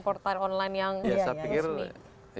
portal online yang resmi